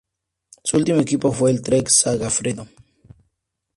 Su último equipo fue el Trek-Segafredo.